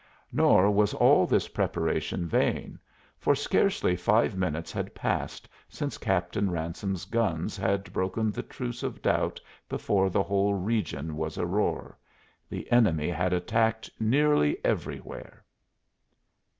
Nor was all this preparation vain, for scarcely five minutes had passed since Captain Ransome's guns had broken the truce of doubt before the whole region was aroar: the enemy had attacked nearly everywhere.